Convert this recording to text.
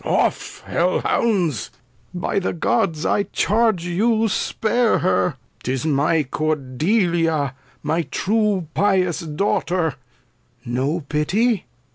Lear. Off HeU Hounds, by the Gods I charge you spare her ; 'Tis my Cordelia, my true pious Daughter ; No pity?